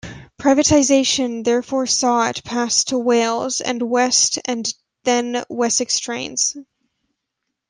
Privatisation therefore saw it pass to Wales and West and then Wessex Trains.